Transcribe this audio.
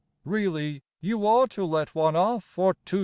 Really you ought to let one off for 2s.